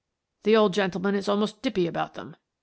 The old gentleman is almost dippy about them.